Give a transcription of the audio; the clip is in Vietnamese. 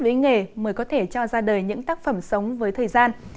với nghề mới có thể cho ra đời những tác phẩm sống với thời gian